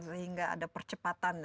sehingga ada percepatan